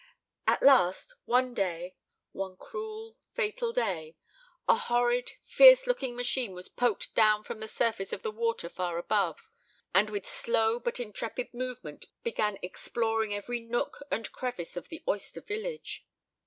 At last one day, one cruel, fatal day, a horrid, fierce looking machine was poked down from the surface of the water far above, and with slow but intrepid movement began exploring every nook and crevice of the oyster village.